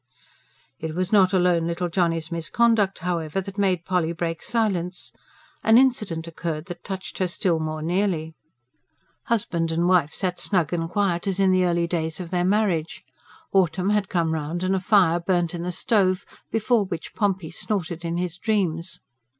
It was not alone little Johnny's misconduct, however, that made Polly break silence. An incident occurred that touched her still more nearly. Husband and wife sat snug and quiet as in the early days of their marriage. Autumn had come round and a fire burnt in the stove, before which Pompey snorted in his dreams.